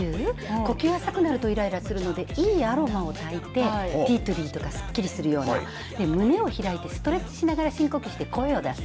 呼吸浅くなるとイライラするのでいいアロマをたいてすっきりするような目を開いてストレッチしながら深呼吸して声を出す。